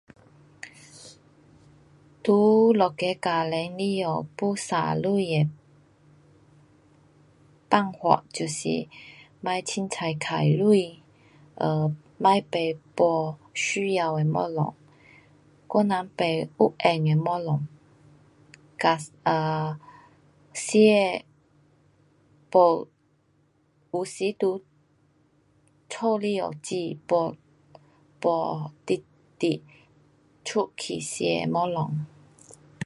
在一个家庭里下，要省钱的办法就是别随便花钱，[um]别买没需要的东西，我人买有用的东西，嘎啊吃没，有时在家里下煮，没，没直直出去吃东西。